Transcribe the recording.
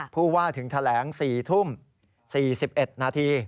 ผู้ว่าถึงแถลง๔ทุ่ม๔๑นาที